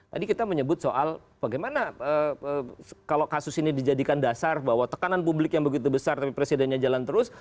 tadi kita menyebut soal bagaimana kalau kasus ini dijadikan dasar bahwa tekanan publik yang begitu besar tapi presidennya jalan terus